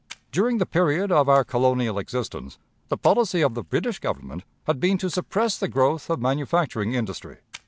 During the period of our colonial existence, the policy of the British Government had been to suppress the growth of manufacturing industry.